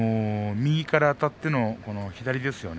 右からあたっての左ですよね。